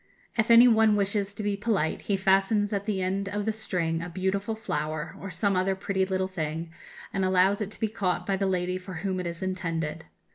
If any one wishes to be polite, he fastens at the end of the string a beautiful flower, or some other pretty little thing, and allows it to be caught by the lady for whom it is intended.